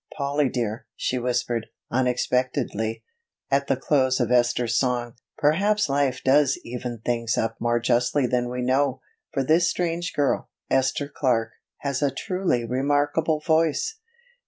"Polly dear," she whispered unexpectedly at the close of Esther's song, "perhaps life does even things up more justly than we know, for this strange girl, Esther Clark, has a truly remarkable voice."